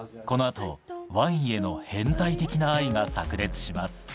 この後ワインへの変態的な愛がさく裂します